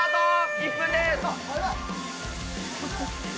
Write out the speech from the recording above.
１分です。